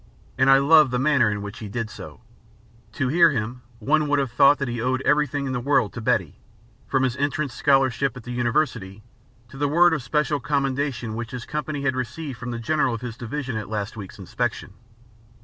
And I loved the manner in which he did so. To hear him, one would have thought that he owed everything in the world to Betty from his entrance scholarship at the University to the word of special commendation which his company had received from the General of his Division at last week's inspection.